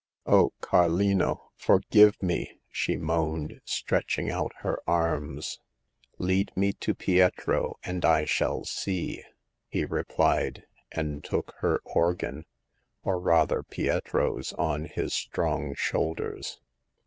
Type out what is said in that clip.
O Carlino, forgive me I " she moaned, stretch ing out her arms. 124 Hagar of the Pawn Shop. " Lead me to Pietro and I shall see," he re plied, and took her organ— or rather Pietro's— on his strong shoulders.